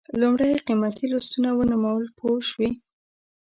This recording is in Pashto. لومړی یې قیمتي لوستونه ونومول پوه شوې!.